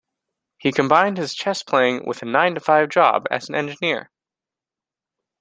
He combined his chess playing with a nine to five job as an engineer.